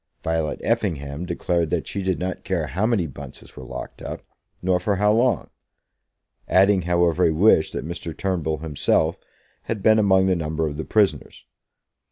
Violet Effingham declared that she did not care how many Bunces were locked up; nor for how long, adding, however, a wish that Mr. Turnbull himself had been among the number of the prisoners.